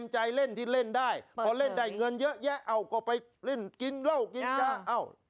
ใจเล่นที่เล่นได้เพราะเล่นได้เงินเยอะเอ้าก็ไปเล่นกินเยอะ